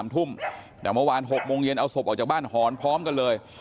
ทุ่มแต่เมื่อวาน๖โมงเย็นเอาศพออกจากบ้านหอนพร้อมกันเลย